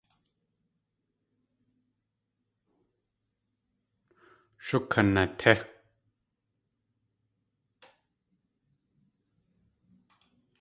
Shukanatí!